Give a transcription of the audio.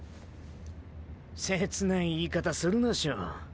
切ない言い方するなショ。